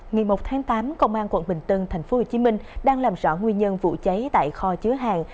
ngày một tháng tám công an quận bình tân tp hcm đang làm rõ nguyên nhân vụ cháy tại kho chứa hàng